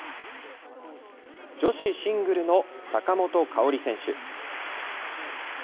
女子シングルの坂本花織選手。